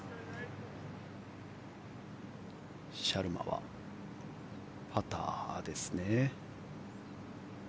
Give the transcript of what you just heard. シャルマはパターですね。